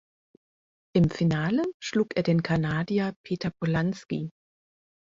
Im Finale schlug er den Kanadier Peter Polansky.